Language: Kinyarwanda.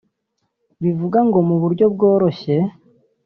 Bivuga ngo mu buryo bworoshye